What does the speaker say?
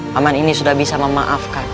paman ini sudah bisa memaafkan